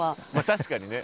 確かにね